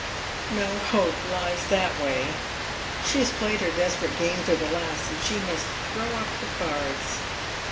No hope lies that way. She has played her desperate game to the last, and she must throw up the cards.